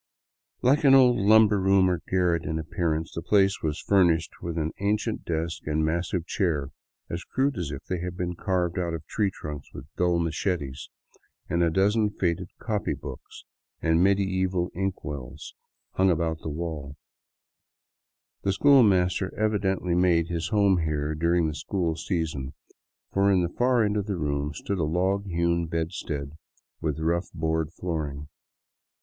Like an old lumber room or garret in appearance, the place was fur nished with an ancient desk and a massive chair, as crude as if they had been carved out of tree trunks with dull machetes, and a dozen faded copy books and medieval inkwells hung about the walls. The school master evidently made his home here during the school season, for in the far end of the room stood a log hewn bedstead with a rough board flooring.